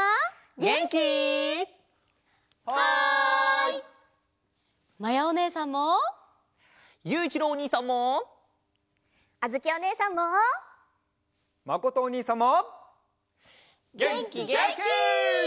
げんきげんき！